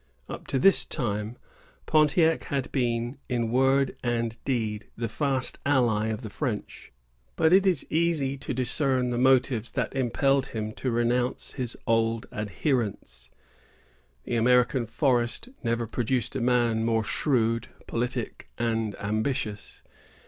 Up to this time, Pontiac had been, in word and deed, the fast ally of the French; but it is easy to discern the motives that impelled him to renounce his old adherence. The American forest never produced a man more shrewd, politic, and ambitious.